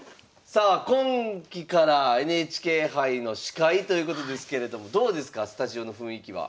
さあ今期からＮＨＫ杯の司会ということですけれどもどうですかスタジオの雰囲気は。